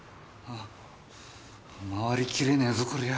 回りきれねぇぞこりゃ。